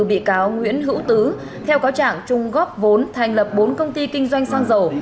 bị cáo nguyễn hữu tứ theo cáo trạng trung góp vốn thành lập bốn công ty kinh doanh xăng dầu